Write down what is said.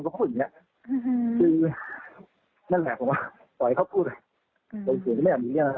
ก็คือแบบนี้อือฮือคือนั่นแหละผมว่าปล่อยเขาพูดเพราะว่าผมก็ไม่อยากมีเรื่องแหละ